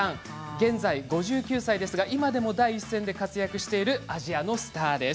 現在５９歳ですが今でも第一線で活躍しているアジアのスターです。